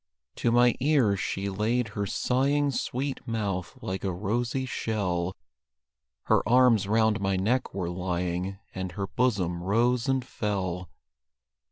To my ears she laid her sighing Sweet mouth, like a rosy shell; Her arms round my neck were lying, And her bosom rose and fell.